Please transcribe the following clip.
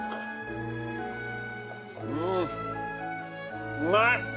うんうまい！